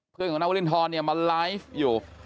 เพื่อนของน้าวิลินทรมาไลฟ์อยู่